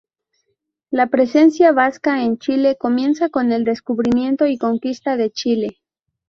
La presencia vasca en Chile comienza con el descubrimiento y conquista de Chile.